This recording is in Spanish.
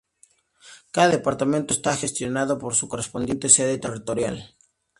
Cada departamento está gestionado por su correspondiente sede territorial.